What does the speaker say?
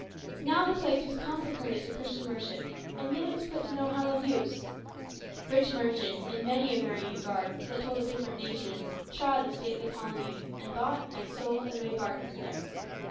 Now the place was consecrated to Christian worship, and yet it was put to no hallowed use. Rich merchants, in many a varying garb, that told of different nations, trod the stately colonnade, and bought and sold and made bargains there.